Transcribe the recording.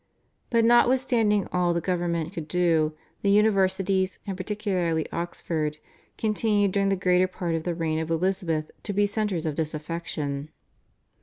But notwithstanding all the government could do, the universities, and particularly Oxford, continued during the greater part of the reign of Elizabeth to be centres of disaffection.